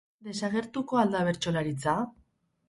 Desagertuko al da bertsolaritza?